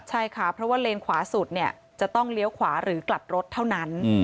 ใช่ค่ะเพราะว่าเลนขวาสุดจะต้องเลี้ยวขวาหรือกลับรถเท่านั้น